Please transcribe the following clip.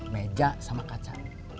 meja sama kaca